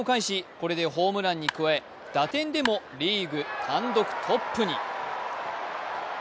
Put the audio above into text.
これでホームランに加え打点でもリーグ単独トップに。